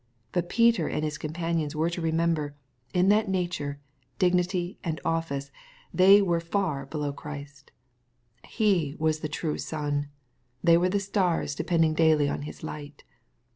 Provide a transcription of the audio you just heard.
But Peter and his companions were to remember, that in nature, dignity, and office, they were far below Christ. — He was the true sun : they were the stars depending daily on His light.